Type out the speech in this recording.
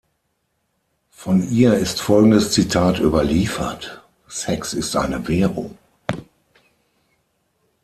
Von ihr ist folgendes Zitat überliefert: "„Sex ist eine Währung.